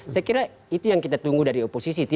saya kira itu yang kita tunggu dari oposisi